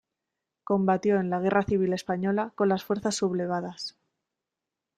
Combatió en la Guerra Civil Española con las fuerzas sublevadas.